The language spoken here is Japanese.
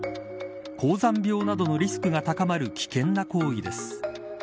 高山病などのリスクが高まる危険な行為です。